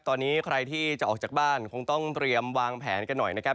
ตอนนี้ใครที่จะออกจากบ้านคงต้องเตรียมวางแผนกันหน่อยนะครับ